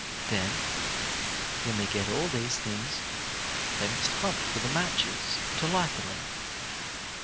Then, when they get all these things, they must hunt for the matches to light the lamp.